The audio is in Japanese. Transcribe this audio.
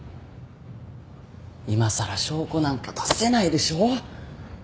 いまさら証拠なんか出せないでしょ？